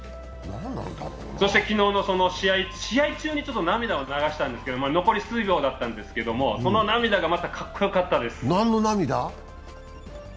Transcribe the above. そして昨日の試合中に涙を流したんですけど残り数秒だったんですけど、その涙が、またかっこよかったです。